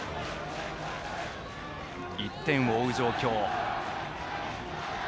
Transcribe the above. １点を追う状況。